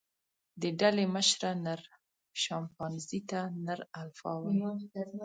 د ډلې مشره، نر شامپانزي ته نر الفا وایي.